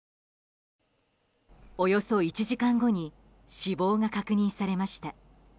およそ１時間後に死亡が確認されました。